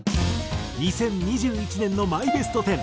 ２０２１年のマイベスト１０。